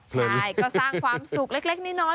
ใช่ก็สร้างความสุขเล็กน้อย